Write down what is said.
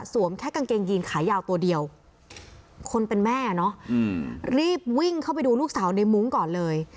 แค่กางเกงยีนขายาวตัวเดียวคนเป็นแม่เนาะรีบวิ่งเข้าไปดูลูกสาวในมุ้งก่อนเลย